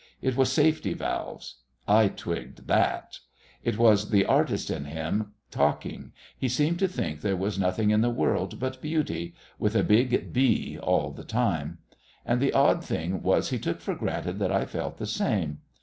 It was safety valves. I twigged that. It was the artist in him talking. He seemed to think there was nothing in the world but Beauty with a big B all the time. And the odd thing was he took for granted that I felt the same.